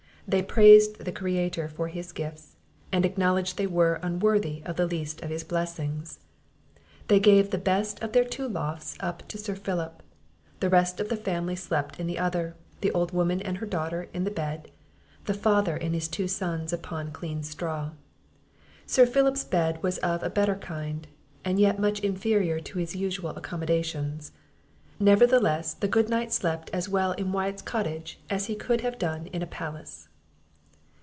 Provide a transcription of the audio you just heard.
They praised the Creator for His gifts, and acknowledged they were unworthy of the least of His blessings. They gave the best of their two lofts up to Sir Philip, the rest of the family slept in the other, the old woman and her daughter in the bed, the father and his two sons upon clean straw. Sir Philip's bed was of a better kind, and yet much inferior to his usual accommodations; nevertheless the good knight slept as well in Wyatt's cottage, as he could have done in a palace.